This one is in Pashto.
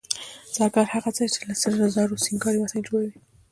زرګر هغه کس دی چې له زرو سینګاري وسایل جوړوي